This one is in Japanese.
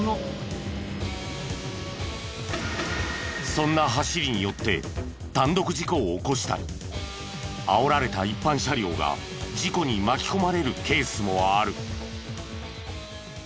そんな走りによって単独事故を起こしたりあおられた一般車両が事故に巻き込まれるケースもある。